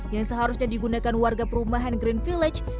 yang seharusnya digunakan warga perumahan green village